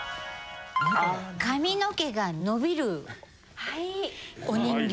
髪の毛が伸びるお人形。